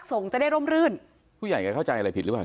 ส่งจะได้ร่มรื่นผู้ใหญ่แกเข้าใจอะไรผิดหรือเปล่า